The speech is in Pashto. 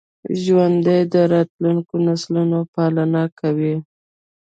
ژوندي د راتلونکو نسلونو پالنه کوي